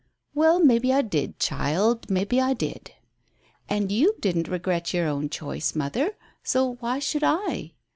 "Well, maybe I did, child, maybe I did." "And you didn't regret your own choice, mother; so why should I?"